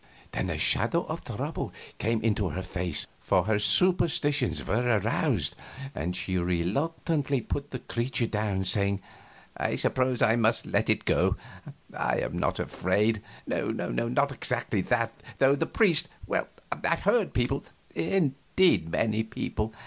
Then a shadow of trouble came into her face, for her superstitions were aroused, and she reluctantly put the creature down, saying: "I suppose I must let it go; I am not afraid no, not exactly that, though the priest well, I've heard people indeed, many people....